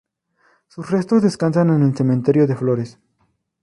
Sus restos descansan en el Cementerio de Flores.